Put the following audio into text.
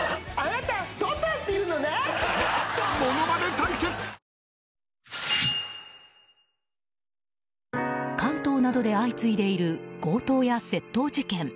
東京海上日動関東などで相次いでいる強盗や窃盗事件。